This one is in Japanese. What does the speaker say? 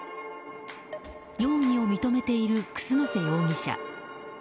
容疑を認めている楠瀬容疑者。